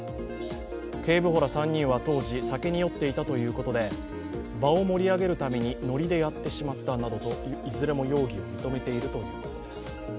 警部補ら３人は当時酒に酔っていたということで場を盛り上げるためにノリでやってしまったなどといずれも容疑を認めているということです。